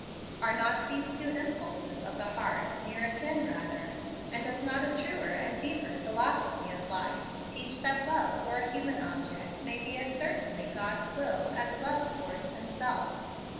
Are not these two impulses of the heart near akin, rather? and does not a truer and deeper philosophy of life teach that love for a human object may be as certainly God's will as love towards Himself?